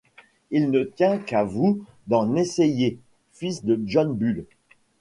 Il ne tient qu’à vous d’en essayer, fils de John Bull!